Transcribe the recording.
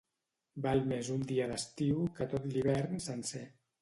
Val més un dia d'estiu, que tot l'hivern sencer.